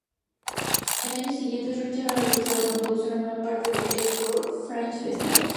En años recientes, Richard ha realizado una producción anual parte del Edinburgh Fringe Festival.